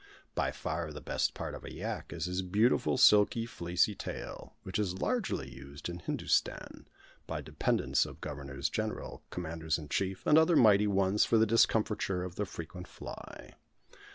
By far the best part of a yak is his beautiful silky, fleecy tail, which is largely used in Hindustan, by dependants of governors general, commanders in chief, and other mighty ones, for the discomfiture of the frequent fly.